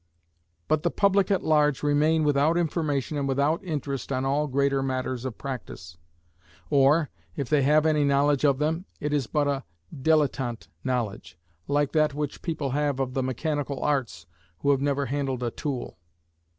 But the public at large remain without information and without interest on all greater matters of practice; or, if they have any knowledge of them, it is but a dilettante knowledge, like that which people have of the mechanical arts who have never handled a tool.